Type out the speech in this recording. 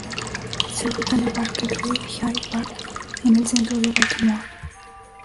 Se ubica en el parque "Druid Hill Park" en el centro de Baltimore.